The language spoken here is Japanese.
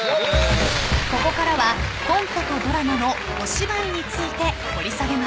［ここからはコントとドラマのお芝居について掘り下げます］